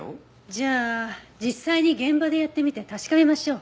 じゃあ実際に現場でやってみて確かめましょう。